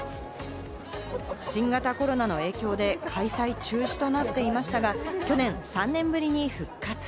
新型コロナの影響で開催中止となっていましたが、去年３年ぶりに復活。